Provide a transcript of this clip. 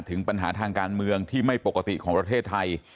ถึงปัญหาทางการเมืองที่ไม่ปกติของประเทศไทย